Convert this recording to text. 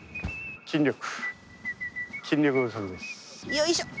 よいしょっ！